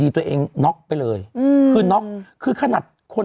มีสารตั้งต้นเนี่ยคือยาเคเนี่ยใช่ไหมคะ